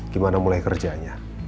gimana mulai kerjanya